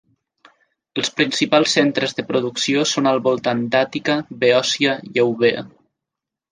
Els principals centres de producció són al voltant d'Àtica, Beòcia i Eubea.